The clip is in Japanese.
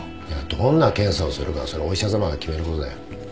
いやどんな検査をするかはお医者さまが決めることだよ。